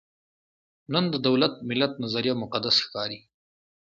نن د دولت–ملت نظریه مقدس ښکاري.